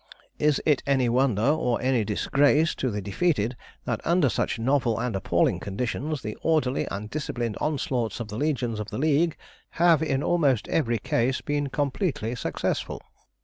"Is it any wonder, or any disgrace, to the defeated, that under such novel and appalling conditions the orderly and disciplined onslaughts of the legions of the League have in almost every case been completely successful?